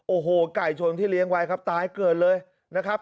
โอ้โหไก่ชนที่เลี้ยงไว้ครับตายเกิดเลยนะครับ